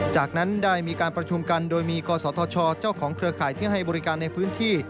จากนั้นได้มีการประชุมกันโดยมีกศธชเจ้าของเครือข่ายที่ให้บริการในพื้นที่